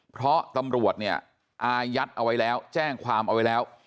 เพราะตำรวจเนี่ยอายัดเอาไว้แล้วแจ้งความเอาไว้แล้ว